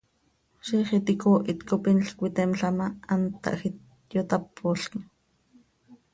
Ziix iti icoohit cop inl cöiteemla ma, hant tahjiit, yotápolquim.